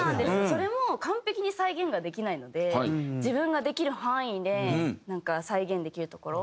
それも完璧に再現ができないので自分ができる範囲でなんか再現できるところ？